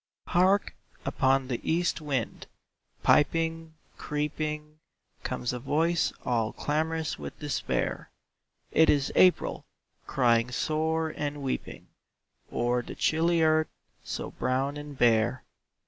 Hark! upon the east wind, piping, creeping, Comes a voice all clamorous with despair; It is April, crying sore and weeping, O'er the chilly earth, so brown and bare.